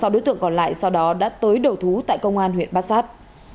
sáu đối tượng còn lại sau đó đã tới đầu thú tại công an huyện bát sát